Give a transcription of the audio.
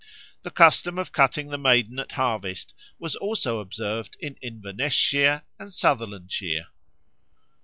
The custom of cutting the Maiden at harvest was also observed in Inverness shire and Sutherlandshire.